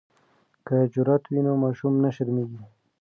که جرات وي نو ماشوم نه شرمیږي.